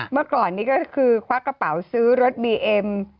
เมื่อก่อนนี้ก็คือควักกระเป๋าซื้อรถบีเอ็ม